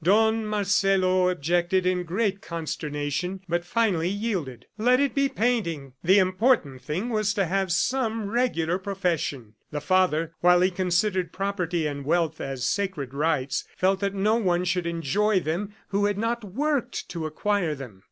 Don Marcelo objected in great consternation, but finally yielded. Let it be painting! The important thing was to have some regular profession. The father, while he considered property and wealth as sacred rights, felt that no one should enjoy them who had not worked to acquire them.